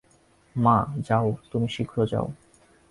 মা, যাও তুমি শীঘ্র যাও।